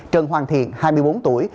trần hoàng thiện hai mươi bốn tuổi